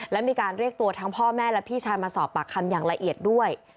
และมีการเรียกตัวทั้งพ่อแม่และพี่ชายมาสอบปากคำอย่างละเอียดด้วย